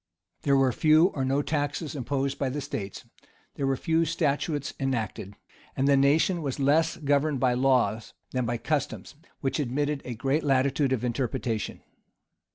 There were few or no taxes imposed by the states; there were few statutes enacted; and the nation was less governed by laws, than by customs, which admitted a great latitude of interpretation.